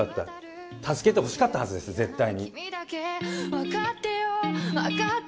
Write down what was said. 助けてほしかったはずですよ絶対に。